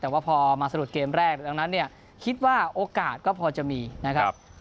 แต่ว่าพอมาสะดุดเกมแรกดังนั้นเนี่ยคิดว่าโอกาสก็พอจะมีนะครับ